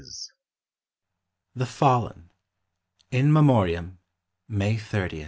THE FALLEN. (In Memoriam, May 30.) i.